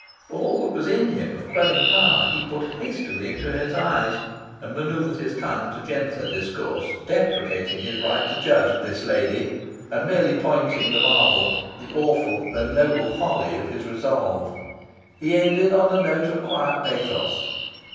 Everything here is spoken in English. All that was in him of quelling power he put hastily into his eyes, and manoeuvred his tongue to gentler discourse, deprecating his right to judge "this lady," and merely pointing the marvel, the awful though noble folly, of his resolve. He ended on a note of quiet pathos.